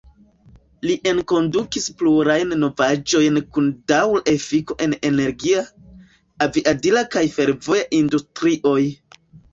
Li enkondukis plurajn novaĵojn kun daŭra efiko en energia, aviadila kaj fervoja industrioj.